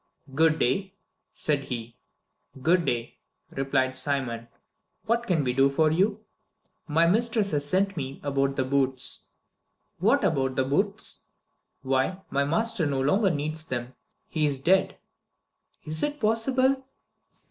"Good day," said he. "Good day," replied Simon. "What can we do for you?" "My mistress has sent me about the boots." "What about the boots?" "Why, my master no longer needs them. He is dead." "Is it possible?"